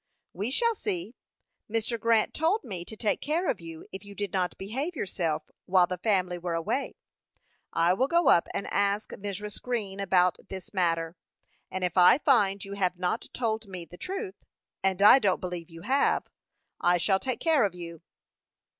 "We shall see. Mr. Grant told me to take care of you if you did not behave yourself while the family were away. I will go up and ask Mrs. Green about this matter, and if I find you have not told me the truth, and I don't believe you have, I shall take care of you."